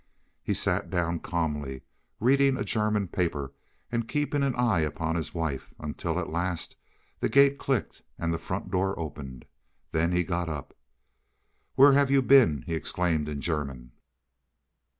He sat down calmly, reading a German paper and keeping an eye upon his wife, until, at last, the gate clicked, and the front door opened. Then he got up. "Where have you been?" he exclaimed in German.